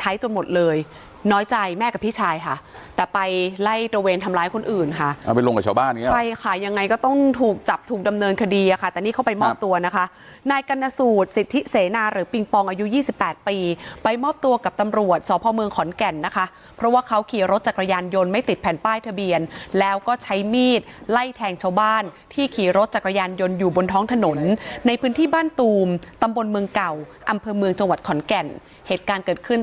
ใช่ค่ะยังไงก็ต้องถูกจับถูกดำเนินคดีอะค่ะแต่นี่เขาไปมอบตัวนะคะนายกัณฑสูตรสิทธิเสนาหรือปิงปองอายุ๒๘ปีไปมอบตัวกับตำรวจสพขอนแก่นนะคะเพราะว่าเขาขี่รถจักรยานยนต์ไม่ติดแผนป้ายทะเบียนแล้วก็ใช้มีดไล่แทงชาวบ้านที่ขี่รถจักรยานยนต์อยู่บนท้องถนนในพื้นที่บ้านตูมตำบ